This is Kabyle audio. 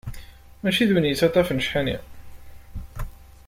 Mačči d win yettaṭṭafen ccḥani.